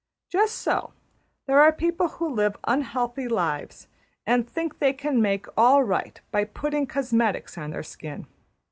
Just so, there are people who live unhealthy lives, and think they can make all right by putting cosmetics on their skin.